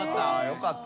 よかった。